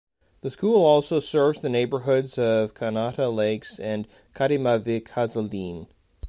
The school also serves the neighbourhoods of Kanata Lakes and Katimavik-Hazeldean.